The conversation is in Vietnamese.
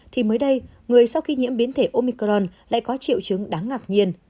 thì mới đây người sau khi nhiễm biến thể omicron lại có triệu chứng đáng ngạc nhiên